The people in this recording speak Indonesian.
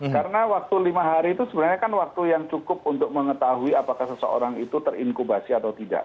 karena waktu lima hari itu sebenarnya kan waktu yang cukup untuk mengetahui apakah seseorang itu terinkubasi atau tidak